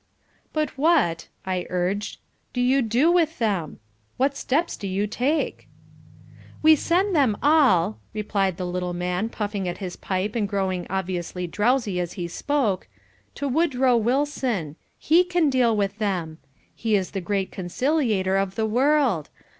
"But what," I urged, "do you do with them? What steps do you take?" "We send them all," replied the little man, puffing at his pipe and growing obviously drowsy as he spoke, "to Woodrow Wilson. He can deal with them. He is the great conciliator of the world.